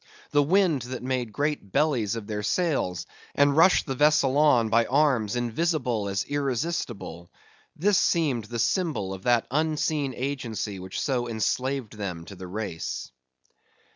The wind that made great bellies of their sails, and rushed the vessel on by arms invisible as irresistible; this seemed the symbol of that unseen agency which so enslaved them to the race.